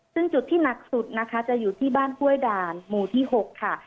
ซึ่งจุดที่หนักสุดนะคะจะอยู่ที่บ้านห้วยด่านหมู่ที่๖ค่ะ